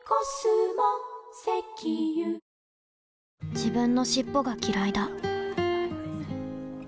自分の尻尾がきらいだ